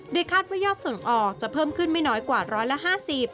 คาดว่ายอดส่งออกจะเพิ่มขึ้นไม่น้อยกว่าร้อยละ๕๐